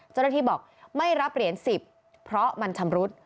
เจ้าหน้าที่บอกไม่รับเหรียญ๑๐เพราะมันชำรุด